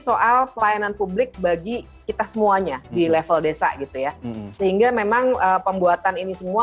soal pelayanan publik bagi kita semuanya di level desa gitu ya sehingga memang pembuatan ini semua